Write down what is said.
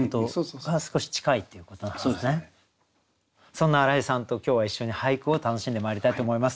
そんな荒井さんと今日は一緒に俳句を楽しんでまいりたいと思います。